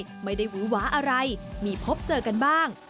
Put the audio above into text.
แต่ซึ่งก็ไม่ได้หวูหวาอะไรมีพบเจอกันบ้าง